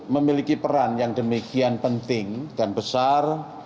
memiliki peran yang demikian penting dan besar